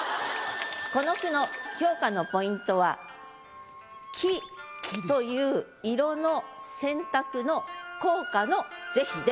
この句の評価のポイントは「黄」という色の選択の効果の是非です。